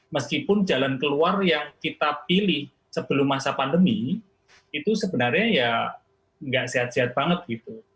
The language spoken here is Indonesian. meskipun jalan keluar yang kita pilih sebelum masa pandemi itu sebenarnya ya nggak sehat sehat banget gitu